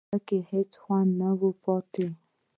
په کې هېڅ خوند پاتې نه دی